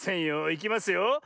いきますよ。